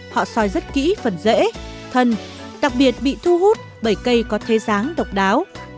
họ soi rất kỹ phần rễ thân đặc biệt bị thu hút bởi cây có thế dáng độc đáo